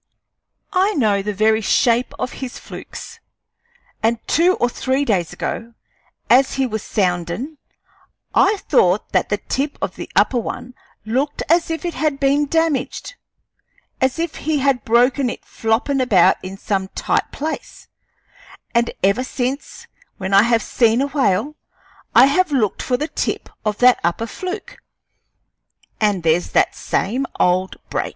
I know the very shape of his flukes; and two or three days ago, as he was soundin', I thought that the tip of the upper one looked as if it had been damaged as if he had broken it floppin' about in some tight place; and ever since, when I have seen a whale, I have looked for the tip of that upper fluke, and there's that same old break.